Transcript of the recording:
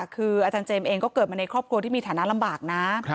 คืออาจารย์เจมส์เองก็เกิดมาในครอบครัวที่มีฐานะลำบากนะ